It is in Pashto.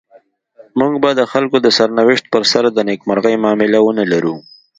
موږ به د خلکو د سرنوشت پر سر د نيکمرغۍ معامله ونلرو.